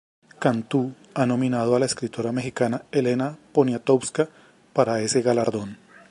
Cantú ha nominado a la escritora mexicana Elena Poniatowska para ese galardón.